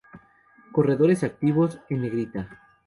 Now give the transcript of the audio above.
Corredores activos en negrita.